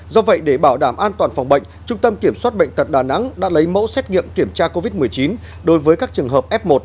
do vậy để bảo đảm an toàn phòng bệnh trung tâm kiểm soát bệnh tật đà nẵng đã lấy mẫu xét nghiệm kiểm tra covid một mươi chín đối với các trường hợp f một